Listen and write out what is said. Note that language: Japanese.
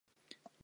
家に帰りたい。